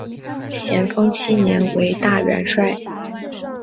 咸丰七年为大元帅。